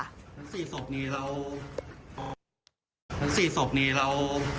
ทั้ง๔ศพนี้เรา